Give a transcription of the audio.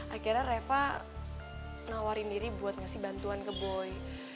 akhirnya reva nawarin diri buat ngasih bantuan ke boy